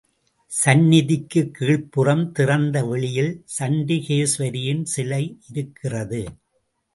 சந்நிதிக்குக் கீழ்புறம் திறந்த வெளியில் சண்டிகேஸ்வரியின் சிலை இருக்கிறது.